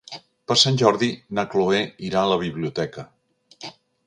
Per Sant Jordi na Chloé irà a la biblioteca.